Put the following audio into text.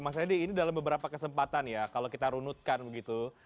mas edi ini dalam beberapa kesempatan ya kalau kita runutkan begitu